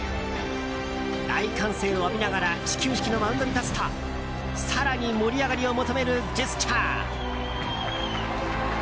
大歓声を浴びながら始球式のマウンドに立つと更に盛り上がりを求めるジェスチャー。